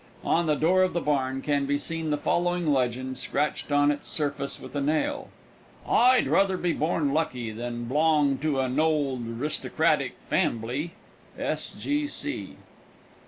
On the door of the barn can be seen the following legend, scratched on its surface with a nail: "I druther be born lucky than blong to a nold Ristocratic fambly.